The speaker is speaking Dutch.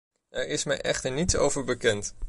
Er is mij echter niets over bekend.